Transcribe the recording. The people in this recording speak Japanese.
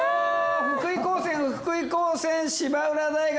福井高専福井高専芝浦大学。